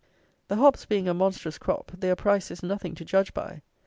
The hops being a monstrous crop, their price is nothing to judge by.